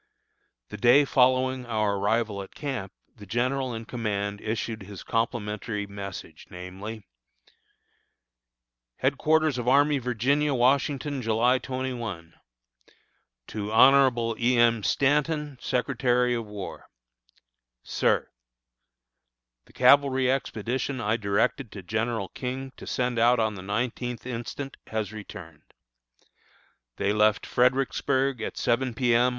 The day following our arrival at camp the general in command issued his complimentary message, namely: HEADQUARTERS ARMY OF VIRGINIA, Washington, July 21. To Hon. E. M. Stanton, Secretary of War: SIR: The cavalry expedition I directed General King to send out on the nineteenth instant has returned. They left Fredericksburg at seven P. M.